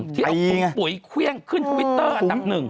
ที่เอาถุงปุ๋ยเครื่องขึ้นทวิตเตอร์อันดับหนึ่ง